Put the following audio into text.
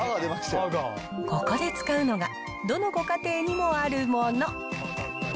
ここで使うのが、どのご家庭にもあるもの。